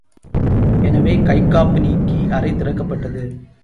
எனவே, கை காப்பு நீக்கி அறை திறக்கப்பட்டது.